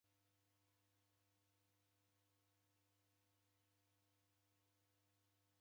Kwa kijiji chedu ndedisow'ekelwa ni machi